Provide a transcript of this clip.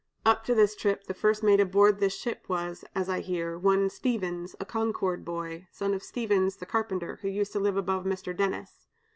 Up to this trip, the first mate aboard this ship was, as I hear, one Stephens, a Concord boy, son of Stephens, the carpenter, who used to live above Mr. Dennis.